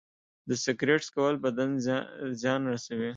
د سګرټ څکول بدن زیان رسوي.